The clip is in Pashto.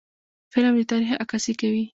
فلم د تاریخ عکاسي کوي